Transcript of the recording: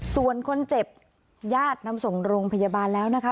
ส่วนคนเจ็บญาตินำส่งโรงพยาบาลแล้วนะคะ